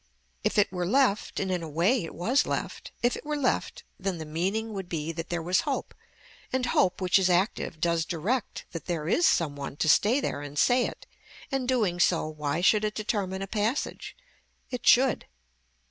If it were left and in a way it was left, if it were left then the meaning would be that there was hope and hope which is active does direct that there is some one to stay there and say it and doing so why should it determine a passage, it should.